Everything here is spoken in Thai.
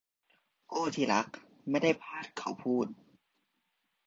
โอ้ที่รักไม่ได้พลาดเขาพูด